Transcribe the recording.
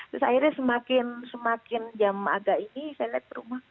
terus akhirnya semakin jam agak ini saya lihat rumah